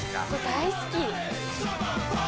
「大好き」